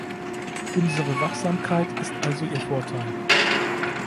Unsere Wachsamkeit ist also ihr Vorteil!